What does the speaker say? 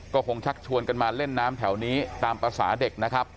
ก็คงชักชวนกันมาเล่นน้ำแถวนี้ตามภาษาเด็กนะครับ